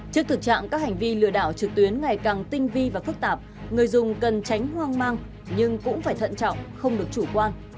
trước thực trạng các hành vi lừa đảo trực tuyến ngày càng tinh vi và phức tạp người dùng cần tránh hoang mang nhưng cũng phải thận trọng không được chủ quan